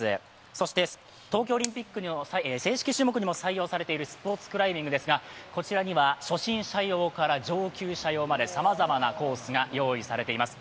そして、東京オリンピックの正式種目にも採用されているスポーツクライミングですがこちらには初心者用から上級者用までさまざまなコースが用意されています。